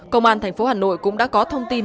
công an tp hà nội cũng đã có thông tin